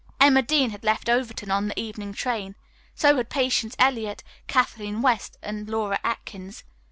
Emma Dean had left Overton on the evening train. So had Patience Eliot, Kathleen West and Laura Atkins.